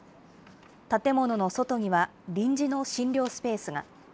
建物の外には、臨時の診療スペースが。